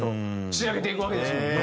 仕上げていくわけですもんね。